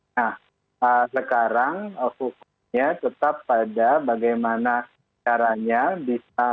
nah sekarang hukumnya tetap pada bagaimana caranya bisa